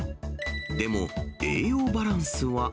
でも、栄養バランスは。